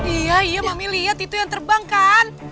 iya iya memilih lihat itu yang terbang kan